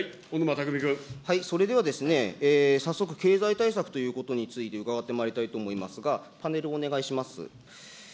それではですね、早速、経済対策ということについて伺ってまいりたいと思いますが、パネルお願いします。